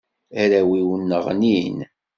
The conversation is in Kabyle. Arraw-iw nneɣnin.